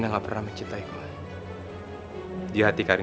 aku sudah selesai